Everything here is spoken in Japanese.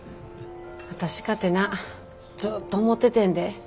私かてなずっと思っててんで。